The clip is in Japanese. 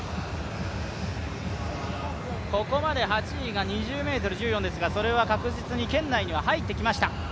ここまで８位が２０ｍ１４ですが、それは確実に圏内には入ってきました。